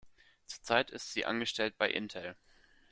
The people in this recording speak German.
Zurzeit ist sie angestellt bei Intel.